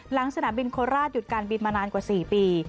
สนามบินโคราชหยุดการบินมานานกว่า๔ปี